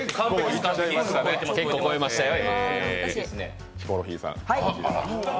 結構超えましたよ。